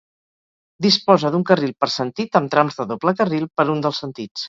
Disposa d'un carril per sentit amb trams de doble carril per un dels sentits.